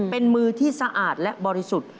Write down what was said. เป็นมือที่สะอาดและบริสุทธิ์